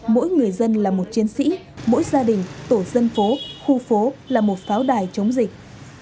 mỗi người dân là một chiến sĩ mỗi gia đình tổ dân phố khu phố là một pháo đài chống dịch